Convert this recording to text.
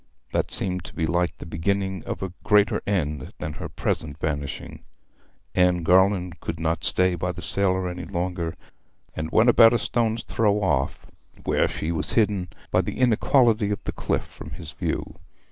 That seemed to be like the beginning of a greater end than her present vanishing. Anne Garland could not stay by the sailor any longer, and went about a stone's throw off, where she was hidden by the inequality of the cliff from his view.